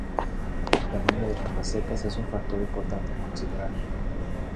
El tamaño de las macetas es un factor importante a considerar.